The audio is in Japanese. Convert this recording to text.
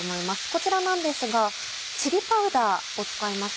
こちらなんですがチリパウダーを使います。